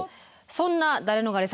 そんなダレノガレさん。